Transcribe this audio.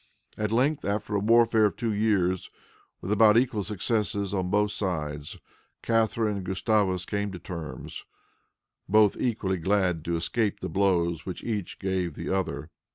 At length, after a warfare of two years, with about equal success on both sides, Catharine and Gustavus came to terms, both equally glad to escape the blows which each gave the other.